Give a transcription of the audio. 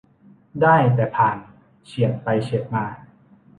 ได้แต่ผ่านเฉียดไปเฉียดมา